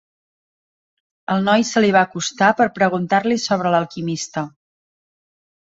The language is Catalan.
El noi se li va acostar per preguntar-li sobre l'alquimista.